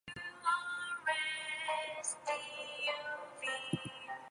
Source: votes, totals, and expenditures.